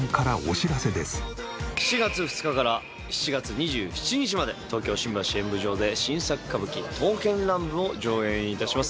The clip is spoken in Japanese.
７月２日から７月２７日まで東京新橋演舞場で新作歌舞伎『刀剣乱舞』を上演致します。